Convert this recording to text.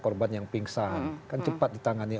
korban yang pingsan kan cepat ditangani